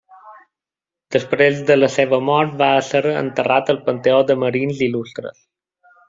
Després de la seva mort va ser enterrat al Panteó de Marins Il·lustres.